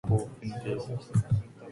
やりたいようにやる